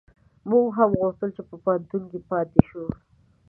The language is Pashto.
موږ هم غوښتل چي په پوهنتون کي پاته شو